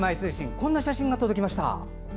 こんな写真が届きました。